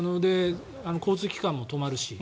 交通機関も止まるし。